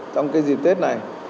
trong cái dịp tết này